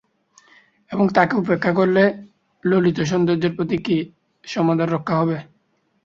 এবং তাকে উপেক্ষা করলে ললিত সৌন্দর্যের প্রতি কি সমাদর রক্ষা হবে?